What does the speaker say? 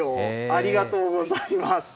ありがとうございます。